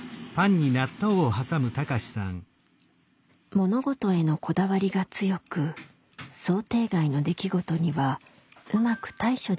物事へのこだわりが強く想定外の出来事にはうまく対処できない貴志さん。